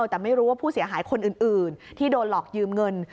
แต่ไม่รู้ว่าผู้เสียหายคนอื่นที่โดนหลอกยืมเงิน